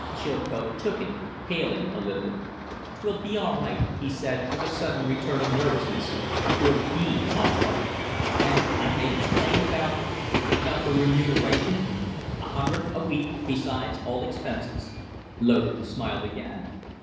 Chilcote took it, paling a little. "'Twill be all right!" he said, with a sudden return of nervousness. "'Twill be all right! And I've made it plain about about the remuneration? A hundred a week besides all expenses." Loder smiled again.